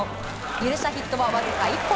許したヒットはわずか１本。